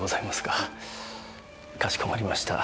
かしこまりました。